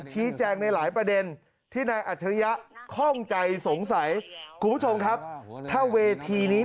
ชี้แจงในหลายประเด็นที่นายอัจฉริยะคล่องใจสงสัยคุณผู้ชมครับถ้าเวทีนี้